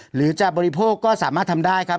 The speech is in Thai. หรือจะบริโภคก็สามารถทำได้ครับ